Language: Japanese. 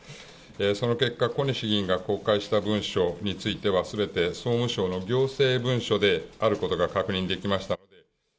その結果、小西議員が公開した文書については、すべて総務省の行政文書であることが確認できました。